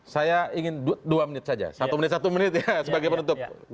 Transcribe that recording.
saya ingin dua menit saja satu menit satu menit ya sebagai penutup